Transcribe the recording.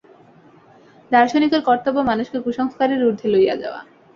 দার্শনিকের কর্তব্য মানুষকে কুসংস্কারের ঊর্ধ্বে লইয়া যাওয়া।